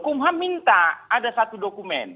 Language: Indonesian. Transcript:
kum ham minta ada satu dokumen